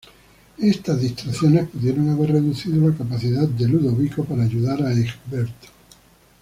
Estas distracciones pudieron haber reducido la capacidad de Ludovico para ayudar a Egberto.